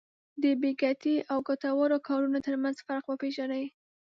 د بې ګټې او ګټورو کارونو ترمنځ فرق وپېژني.